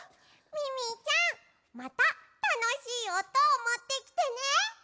ミミィちゃんまたたのしいおとをもってきてね！